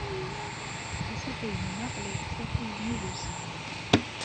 Asafag-nneɣ la yettafeg nnig usigna.